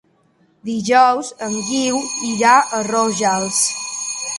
Dijous en Guiu irà a Rojals.